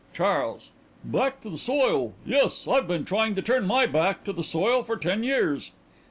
_) CHARLES: Back to the soil, yes! I've been trying to turn my back to the soil for ten years!